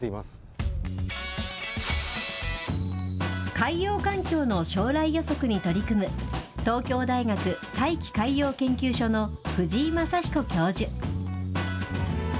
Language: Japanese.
海洋環境の将来予測に取り組む、東京大学大気海洋研究所の藤井賢彦教授。